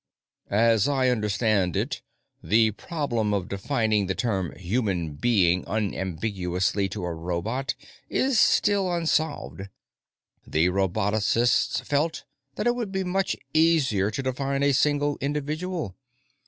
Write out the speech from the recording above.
"As I understand it, the problem of defining the term 'human being' unambiguously to a robot is still unsolved. The robotocists felt that it would be much easier to define a single individual.